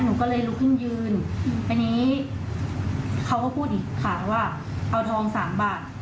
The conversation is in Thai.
หนูก็เลยลุกขึ้นยืนทีนี้เขาก็พูดอีกค่ะว่าเอาทองสามบาท